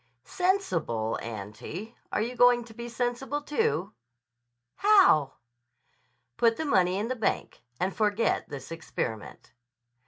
"Sensible auntie! Are you going to be sensible too?" "How?" "Put the money in the bank. And forget this experiment."